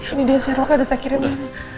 ini dia share loka dosa kirimnya